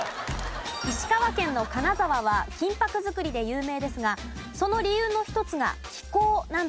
石川県の金沢は金箔作りで有名ですがその理由の１つが気候なんだそうです。